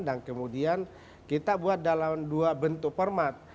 dan kemudian kita buat dalam dua bentuk format